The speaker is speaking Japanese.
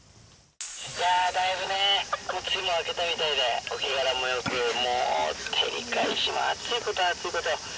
いやー、だいぶね、梅雨も明けたみたいで、お日柄もよく、もう照り返しも暑いこと、暑いこと。